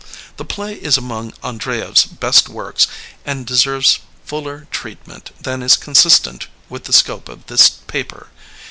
The play is among Andreyev 's best works and deserves fuller treatment than is consistent with the scope of this paper.